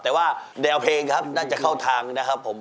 แต่ว่าแนวเพลงครับน่าจะเข้าทางนะครับผม